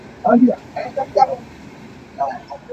Na hawile kha na pheu hna ahcun an in pheu ve lai.